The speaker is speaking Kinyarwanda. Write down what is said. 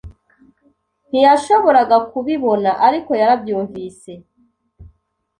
ntiyashoboraga kubibona, ariko yarabyumvise.